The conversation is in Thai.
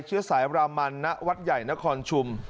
เชื้อสายรามันณวัดใหญ่นครชุม